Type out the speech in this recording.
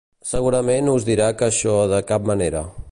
Segurament us dirà que això de cap manera.